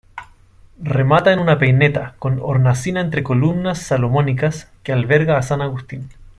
Remata en una peineta, con hornacina entre columnas salomónicas, que alberga a San Agustín.